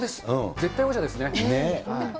絶対王者ですね。